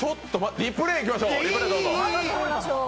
リプレーいきましょう。